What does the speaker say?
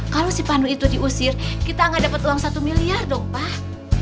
kalo si pandu itu diusir kita gak dapet uang satu miliar dong pak